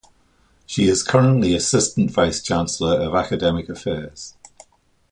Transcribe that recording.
She is currently Assistant Vice Chancellor of Academic Affairs.